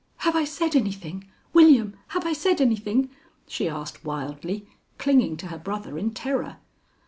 "Have I said anything? William, have I said anything?" she asked wildly, clinging to her brother in terror.